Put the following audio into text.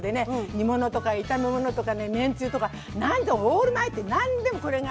煮物とか炒め物とかねめんつゆとかなんとオールマイティー何でもこれが。